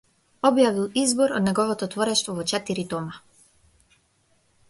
Објавил избор од неговото творештво во четири тома.